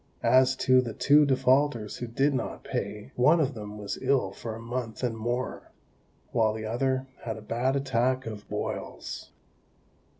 As to the two defaulters who did not pay, one of them was ill for a month and more; while the other had a bad attack of boils.